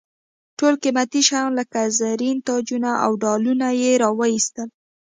ټول قیمتي شیان لکه زرین تاجونه او ډالونه یې را واېستل.